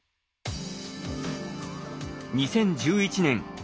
２０１１年